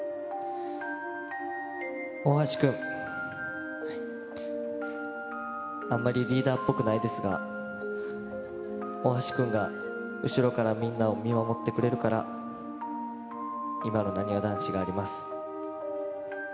大橋君、あんまりリーダーっぽくないですが、大橋君が後ろからみんなを見守ってくれるから、今のなにわ男子があります。